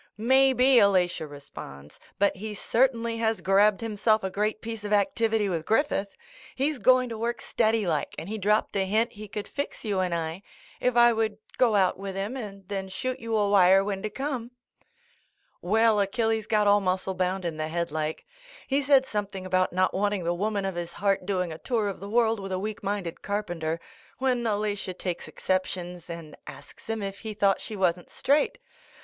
"Maybe," Alatia responds, "but he cer tainly has grabbed himself a great piece of activity with Griffith. He's going to work steady like and he dropped a hint he could fix you and I, if I would go out with him and then shoot you a wire when to come." Well, Achilles got all muscle bound in the head like. He said something about not wanting the woman of his heart doing a tour of the world with a weak minded carpenter, when Alatia takes exceptions and asks him if he thought she wasn't straight.